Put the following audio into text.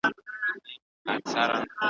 په کړوپه ملا به ورسره ناڅم ,